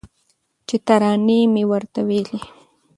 چي ترانې مي ورته ویلې